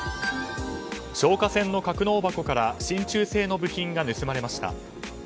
消火栓の格納箱から真鍮製の部品が盗まれました。